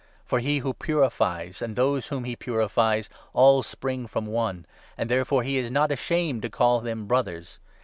For he who purifies, and those whom he n purifies, all spring from One ; and therefore he is not ashamed to call them ' Brothers.'